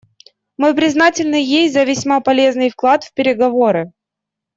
Мы признательны ей за весьма полезный вклад в переговоры.